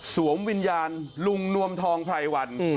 สวมวิญญาณลุงนวมทองภัยวัน